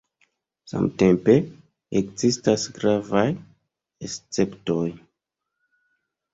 Samtempe, ekzistas gravaj esceptoj.